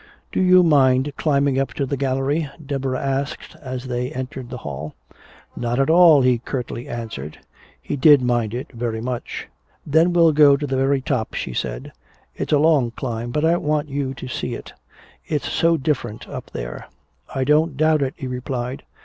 "Do you mind climbing up to the gallery?" Deborah asked as they entered the hall. "Not at all," he curtly answered. He did mind it very much! "Then we'll go to the very top," she said. "It's a long climb but I want you to see it. It's so different up there." "I don't doubt it," he replied.